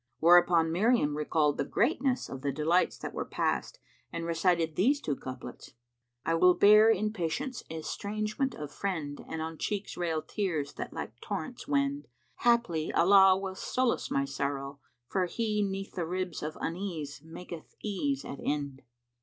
Whereupon Miriam recalled the greatness of the delights that were past and recited these two couplets, "I will bear in patience estrangement of friend * And on cheeks rail tears that like torrents wend: Haply Allah will solace my sorrow, for He * Neath the ribs of unease maketh ease at end."